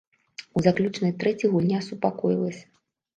У заключнай трэці гульня супакоілася.